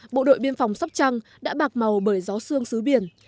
bộ đội biên phòng sắp trăng đã bạc màu bởi gió sương xứ biển